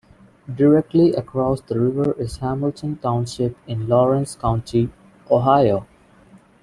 Directly across the river is Hamilton Township in Lawrence County, Ohio.